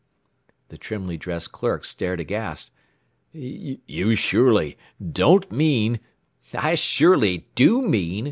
The trimly dressed clerk stared aghast. "You surely don't mean " "I surely DO mean!